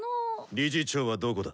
理事長はどこだ？